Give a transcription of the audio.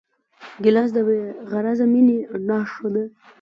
ګیلاس د بېغرضه مینې نښه ده.